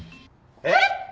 えっ！？